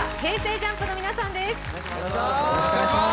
ＪＵＭＰの皆さんです。